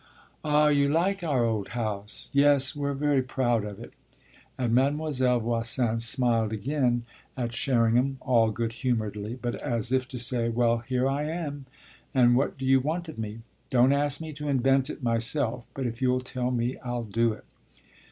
"Ah you like our old house? Yes, we're very proud of it." And Mademoiselle Voisin smiled again at Sherringham all good humouredly, but as if to say: "Well, here I am, and what do you want of me? Don't ask me to invent it myself, but if you'll tell me I'll do it."